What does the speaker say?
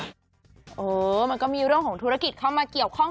มันก็มีเรื่องของธุรกิจเข้ามาเกี่ยวข้อง